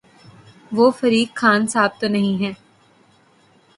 وہ فریق خان صاحب تو نہیں ہیں۔